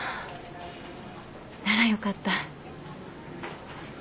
ならよかった。